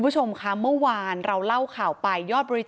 เพราะบุบันแล้วก็อะไรแบบนี้